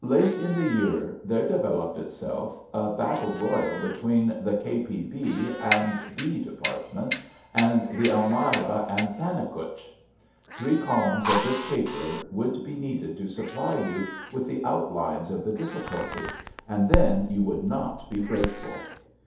Late in the year there developed itself a battle royal between the K.P,B, and B. Department and the Ahnirah and Thannicutch. Three columns of this paper would be needed to supply you with the outlines of the difficulty; and then you would not be grateful.